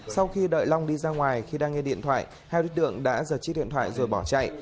sau khi đợi long đi ra ngoài khi đang nghe điện thoại hai đối tượng đã giật chiếc điện thoại rồi bỏ chạy